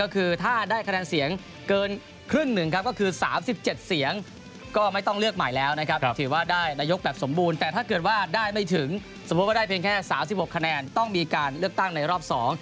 ก็คือถ้าได้คะแนนเสียงเกินครึ่งหนึ่งครับ